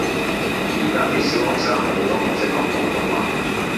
而家 D 小學生好多唔識講廣東話